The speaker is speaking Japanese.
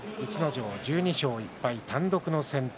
１２勝１敗、単独の先頭。